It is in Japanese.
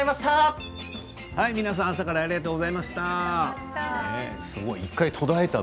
皆さん、朝からありがとうございました。